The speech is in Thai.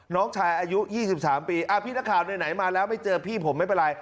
น้องชายอายุ๒๓ปีพี่นักข่าวไหนมาแล้วไม่เจอพี่ผมไม่เป็นไร